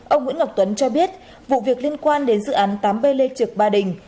ông nguyễn ngọc tuấn cho biết vụ việc liên quan đến dự án tám b lê trực ba đình